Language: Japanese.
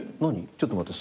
ちょっと待って。